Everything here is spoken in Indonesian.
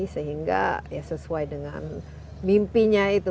sehingga ya sesuai dengan mimpinya itu